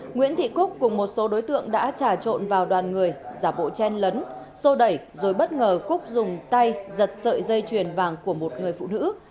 nguyễn thị cúc cùng một số đối tượng đã trà trộn vào đoàn người giả bộ chen lấn sô đẩy rồi bất ngờ cúc dùng tay giật sợi dây chuyền vàng của một người phụ nữ